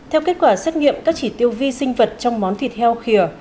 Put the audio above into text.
theo kết quả xét nghiệm các chỉ tiêu vi sinh vật trong món thịt heo khìa